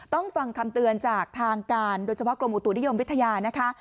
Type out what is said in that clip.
ต้องฟังคำเตือนจากทางการโดยเฉพาะกรมอุตุนิยมวิทยานะคะ